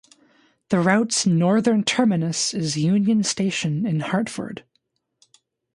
The route's northern terminus is Union Station in Hartford.